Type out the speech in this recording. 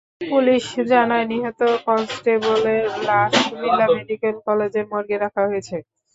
Police জানায়, নিহত কনস্টেবলের লাশ কুমিল্লা মেডিকেল কলেজের মর্গে রাখা হয়েছে।